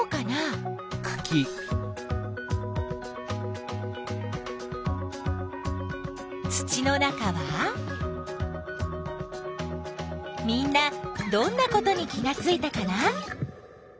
みんなどんなことに気がついたかな？